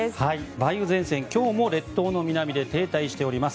梅雨前線、今日も列島の南で停滞しております。